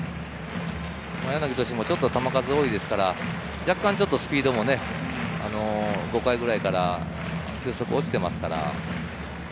柳投手も球数多いですから、若干スピードも５回ぐらいから球速落ちていますから。